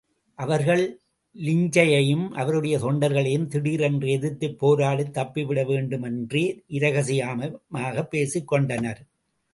அவர்கள் லிஞ்சையும் அவருடைய தொண்டர்களையும் திடீரென்று எதிர்த்துப் போராடித் தப்பிவிட வேண்டுமென்றே இரகசியாகப் பேசிக் கொண்டனர்.